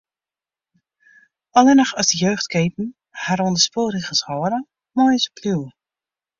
Allinnich as de jeugdketen har oan de spulregels hâlde, meie se bliuwe.